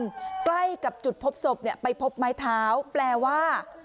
ใกล้กับจุดพบศพเนี่ยไปพบไม้เท้าแปลว่า